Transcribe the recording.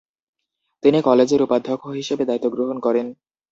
তিনি কলেজের উপাধ্যক্ষ হিসেবে দায়িত্ব গ্রহণ করেন।